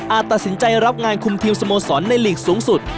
ตัดสินใจรับงานคุมทีมสโมสรในลีกสูงสุด